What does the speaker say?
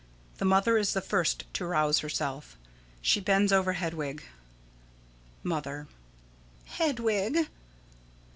The Mother is the first to rouse herself. She bends over Hedwig._] Mother: Hedwig.